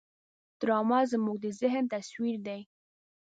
ډرامه زموږ د ذهن تصویر دی